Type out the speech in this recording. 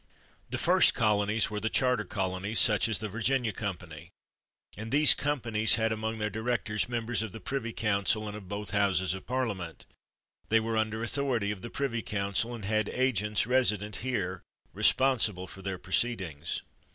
The first colonies were the charter colonies, such as the Virginia Company; and these companies had among their directors members of the privy council and of both Houses of Parliament; they were under the authority of the privy council, and had agents resident here, responsible for their proceedings.